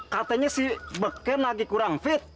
katanya si beken lagi kurang fit